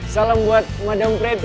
salam buat madam pretty